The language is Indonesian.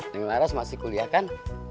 tinggal aras masih kuliah kan